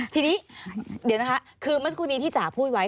ทีนี้เดี๋ยวนะคะคือเมื่อสักครู่นี้ที่จ๋าพูดไว้